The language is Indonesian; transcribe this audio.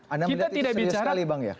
anda melihat itu serius sekali bang ya